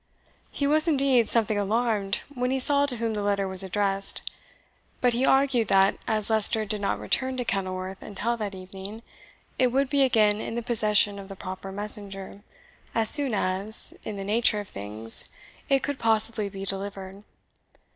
He was indeed something alarmed when he saw to whom the letter was addressed; but he argued that, as Leicester did not return to Kenilworth until that evening, it would be again in the possession of the proper messenger as soon as, in the nature of things, it could possibly be delivered.